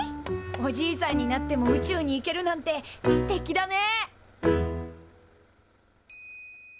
おじいさんになっても宇宙に行けるなんてステキだね！